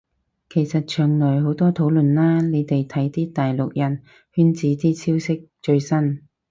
其實牆內好多討論啦，你哋睇啲大陸人圈子啲消息最新